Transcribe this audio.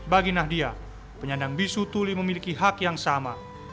bagi nahdia penyandang bisu tuli memiliki hak yang sama